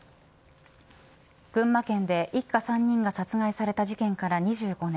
群馬県で一家３人が殺害された事件から２５年。